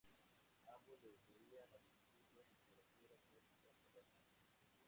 Ambos les leían a sus hijos literatura clásica por las noches.